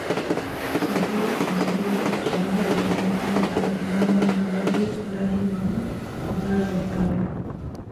ޞަޙީޙު މުސްލިމުގެ ޝަރަޙަލިޔުއްވުމުގައި އަލްއިމާމުއްނަވަވީ ރަޙިމަހު ވިދާޅުވެފައިވެ